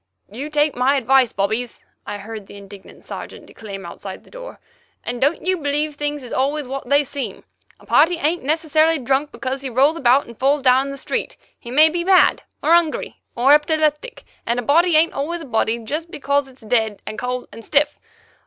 "You take my advice, bobbies," I heard the indignant Sergeant declaim outside the door, "and don't you believe things is always what they seem. A party ain't necessarily drunk because he rolls about and falls down in the street; he may be mad, or 'ungry, or epileptic, and a body ain't always a body jest because it's dead and cold and stiff.